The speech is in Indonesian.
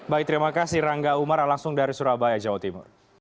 baik terima kasih rangga umar langsung dari surabaya jawa timur